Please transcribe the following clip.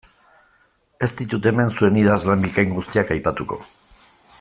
Ez ditut hemen zuen idazlan bikain guztiak aipatuko.